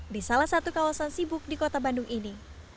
di salah satu kawasan sibuk di kota bandung ini